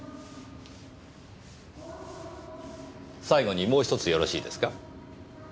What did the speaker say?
最後にもう１つよろしいですか？